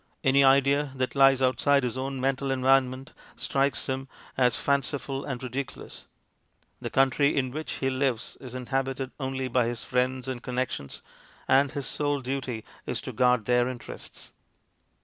Any idea that lies outside his own mental environment strikes him as fanciful and ridiculous. The country in which he lives is inhabited only by his friends and connec tions, and his sole duty is to guard their interests.